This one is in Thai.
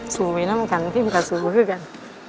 สู่วินัมคันพิมกับสู่ภูเข้ากัน